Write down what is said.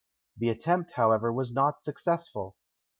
The attempt, however, was not successful.